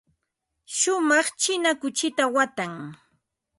Shumaq china kuchita watan.